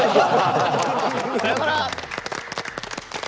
さようなら！